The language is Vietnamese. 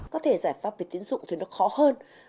có thể giải pháp về tiến dụng thì nó khó hơn